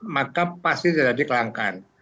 maka pasti sudah jadi kelangkaan